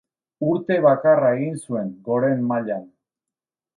Urte bakarra egin zuen goren mailan.